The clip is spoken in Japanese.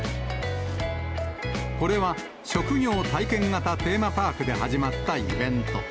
これは、職業体験型テーマパークで始まったイベント。